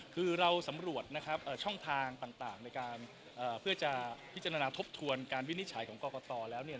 คือเราสำรวจนะครับช่องทางต่างในการเพื่อจะพิจารณาทบทวนการวินิจฉัยของกรกตแล้วเนี่ย